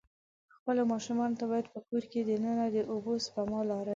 خپلو ماشومان ته باید په کور د ننه د اوبه سپما لارې.